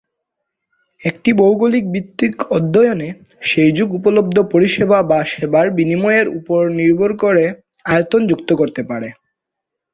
একটি ভৌগোলিক ভিত্তিক অধ্যয়নে সেই যুগে উপলব্ধ পরিষেবা বা সেবার বিনিময়ের উপর নির্ভর করে আয়তন যুক্ত করতে পারে।